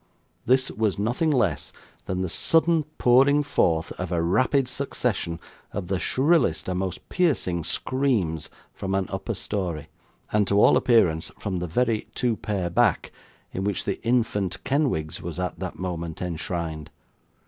This was nothing less than the sudden pouring forth of a rapid succession of the shrillest and most piercing screams, from an upper story; and to all appearance from the very two pair back, in which the infant Kenwigs was at that moment enshrined.